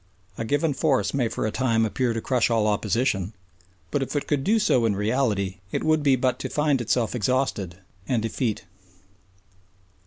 A given force may for a time appear to crush all opposition, but if it could do so in reality it would be but to find itself exhausted and effete.